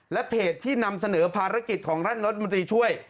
และเพจที่นำเสนอภารกิจของท่านรัฐมนตรีช่วย